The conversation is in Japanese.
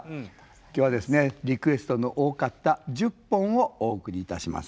今日はですねリクエストの多かった１０本をお送りいたします。